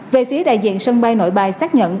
về phía đại diện sân bay nội bài xác nhận